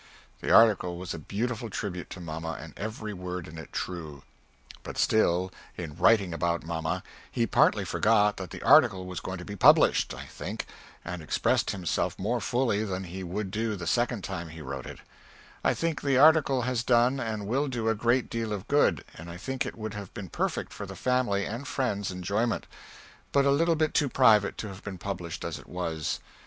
The article was a beautiful tribute to mamma and every word in it true. But still in writing about mamma he partly forgot that the article was going to be published, I think, and expressed himself more fully than he would do the second time he wrote it; I think the article has done and will do a great deal of good, and I think it would have been perfect for the family and friend's enjoyment, but a little bit too private to have been published as it was.